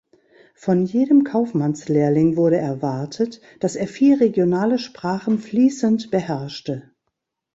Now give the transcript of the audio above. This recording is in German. Von jedem Kaufmannslehrling wurde erwartet, dass er vier regionale Sprachen fließend beherrschte.